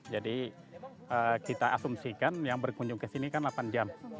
kita asumsikan yang berkunjung ke sini kan delapan jam